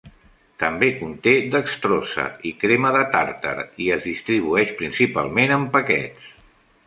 També conté dextrosa i crema de tàrtar, i es distribueix principalment en paquets.